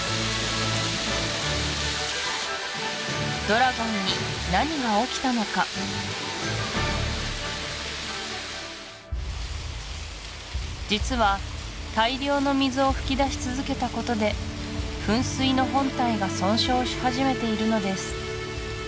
ドラゴンに何が起きたのか実は大量の水を噴き出し続けたことで噴水の本体が損傷し始めているのです